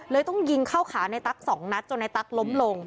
ต้องยิงเข้าขาในตั๊กสองนัดจนในตั๊กล้มลง